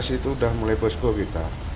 empat belas itu sudah mulai bosko kita